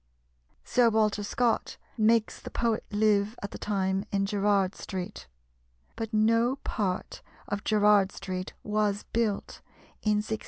Sir Walter Scott makes the poet live at the time in Gerard Street; but no part of Gerard Street was built in 1679.